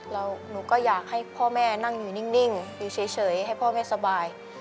แล้วหนูก็อยากให้พ่อแม่นั่งอยู่นิ่งอยู่เฉยให้พ่อแม่สบาย